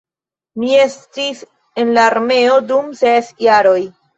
Mi estis en la armeo dum ses jaroj